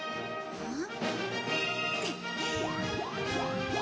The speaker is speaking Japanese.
うん？